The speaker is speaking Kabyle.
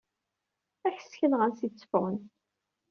Ad k-d-ssekneɣ ansi tteffɣen.